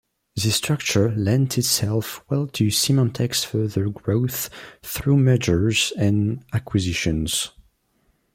This structure lent itself well to Symantec's further growth through mergers and acquisitions.